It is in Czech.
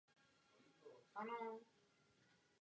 Rozprostírá se v hlubokém údolí po obou březích říčky Loučné.